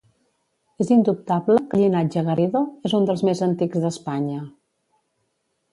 És indubtable que el llinatge Garrido és un dels més antics d'Espanya.